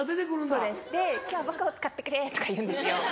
そうですで「今日僕を使ってくれ」とか言うんですよ。